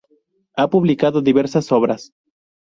Ha publicado diversas obras